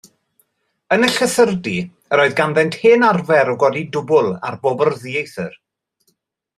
Yn y llythyrdy yr oedd ganddynt hen arfer o godi dwbl ar bobl ddieithr.